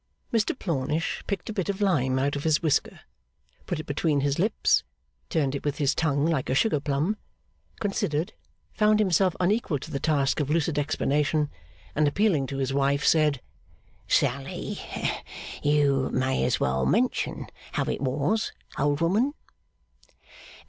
Mr Plornish picked a bit of lime out of his whisker, put it between his lips, turned it with his tongue like a sugar plum, considered, found himself unequal to the task of lucid explanation, and appealing to his wife, said, 'Sally, you may as well mention how it was, old woman.